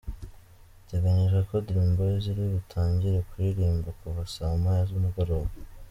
Biteganyijwe ko Dream Boys iri butangire kuririmba kuva saa moya z’umugoroba.